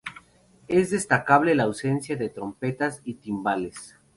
Es destacable la ausencia de trompetas y timbales.